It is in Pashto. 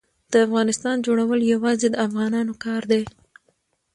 د افغانستان جوړول یوازې د افغانانو کار دی.